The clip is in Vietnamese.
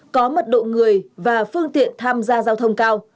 có mật độ người và phương tiện tham gia giao thông cao